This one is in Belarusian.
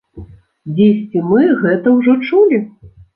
Дзесьці мы гэта ўжо чулі?